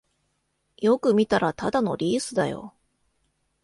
よく見たらただのリースだよ